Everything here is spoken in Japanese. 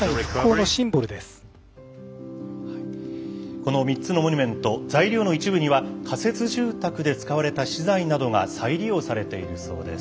この３つのモニュメント材料の一部には仮設住宅で使われた資材などが再利用されているそうです。